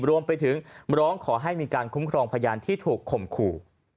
รวมไปถึงร้องขอให้มีการคุ้มครองพยานที่ถูกข่มขู่